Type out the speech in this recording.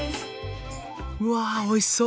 うわおいしそう！